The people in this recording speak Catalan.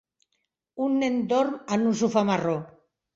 Un nen dorm en un sofà marró.